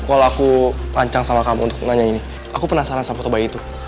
kalau aku rancang sama kamu untuk nanya ini aku penasaran sama foto bayi itu